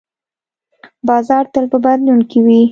بازار تل په بدلون کې وي.